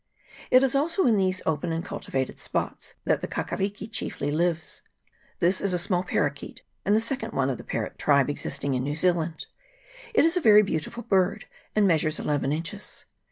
It is also in these open and cultivated spots that the kakariki chiefly lives. This is a small CHAP. II.J TORY CHANNEL. 59 paroquet, and the second one of the parrot tribe existing in New Zealand. It is a very beautiful bird, and measures eleven inches.